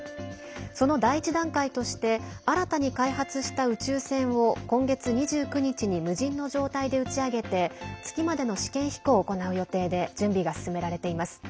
その第１段階として新たに開発した宇宙船を今月２９日に無人の状態で打ち上げて月までの試験飛行を行う予定で準備が進められています。